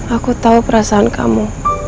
aku tau perasaan kamu